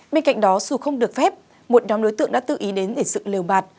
bên cạnh đó dù không được phép một nhóm đối tượng đã tự ý đến để dựng lều bạt